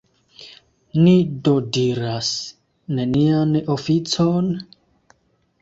Ni do diras: nenian oficon?